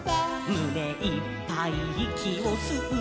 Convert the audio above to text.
「むねいっぱいいきをすうのさ」